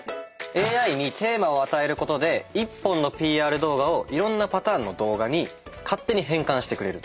ＡＩにテーマを与えることで１本のＰＲ動画をいろんなパターンの動画に勝手に変換してくれると。